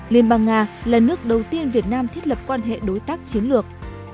liên bang nga là nước đầu tiên việt nam thiết lập quan hệ đối tác chiến lược